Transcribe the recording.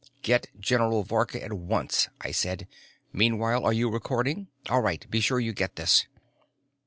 "Get General Vorka at once," I said. "Meanwhile, are you recording? All right, be sure you get this."